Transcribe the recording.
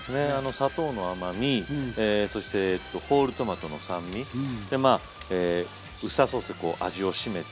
砂糖の甘みそしてホールトマトの酸味でまあウスターソースでこう味を締めて。